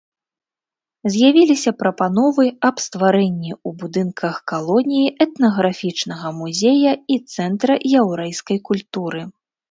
З'явіліся прапановы аб стварэнні ў будынках калоніі этнаграфічнага музея і цэнтра яўрэйскай культуры.